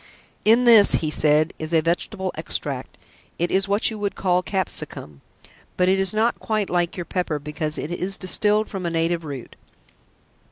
"In this," he said, "is a vegetable extract. It is what you would call capsicum, but it is not quite like your pepper because it is distilled from a native root.